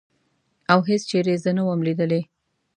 او هېڅ چېرې زه نه وم لیدلې.